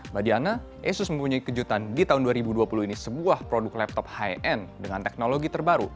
mbak diana asus mempunyai kejutan di tahun dua ribu dua puluh ini sebuah produk laptop high end dengan teknologi terbaru